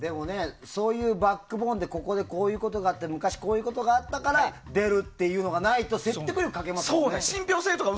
そういうバックボーンでこういうことがあって昔こういうことがあったからって出るっていうのがないと説得力に欠けますからね。